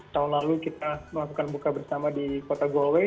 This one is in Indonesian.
tahun lalu kita melakukan buka bersama di kota golway